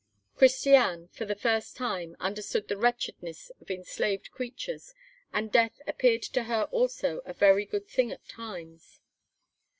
Christiane, for the first time, understood the wretchedness of enslaved creatures; and death appeared to her also a very good thing at times.